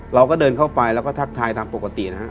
เราก็เดินเข้าไปแล้วก็ทักทายตามปกตินะฮะ